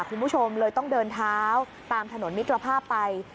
คุณผู้ชมเลยต้องเดินเท้าตามถนนมิตรภาพไป